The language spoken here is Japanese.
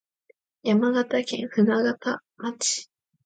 山形県舟形町